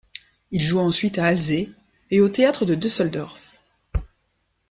Il joue ensuite à Alzey et au théâtre de Düsseldorf.